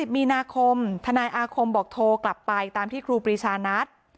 มีนาคมทนายอาคมบอกโทรกลับไปตามที่ครูปรีชานัด